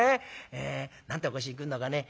何て起こしに来るのかね。